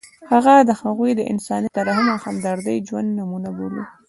هغه د هغوی د انساني ترحم او همدردۍ ژوندۍ نمونه بولو.